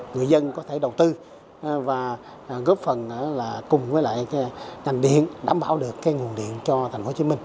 người dân có thể đầu tư và góp phần cùng với lại ngành điện đảm bảo được nguồn điện cho tp hcm